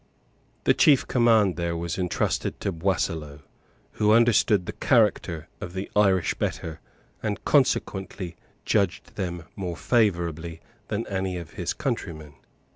The chief command there was entrusted to Boisseleau, who understood the character of the Irish better, and consequently, judged them more favourably, than any of his countrymen.